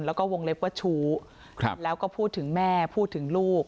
แล้วก็วงเล็บว่าชู้แล้วก็พูดถึงแม่พูดถึงลูก